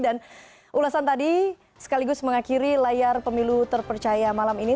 dan ulasan tadi sekaligus mengakhiri layar pemilu terpercaya malam ini